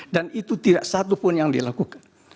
dan itu tidak satu pun yang dilakukan